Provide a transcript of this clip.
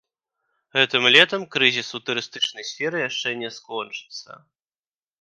Гэтым летам крызіс у турыстычнай сферы яшчэ не скончыцца.